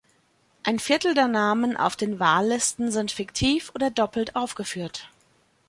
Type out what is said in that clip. Ein Viertel der Namen auf den Wahllisten sind fiktiv oder doppelt aufgeführt.